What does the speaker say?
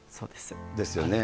ですよね。